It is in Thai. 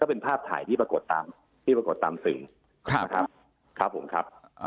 เป็นภาพถ่ายที่ปรากฏตามที่ปรากฏตามสื่อนะครับครับผมครับ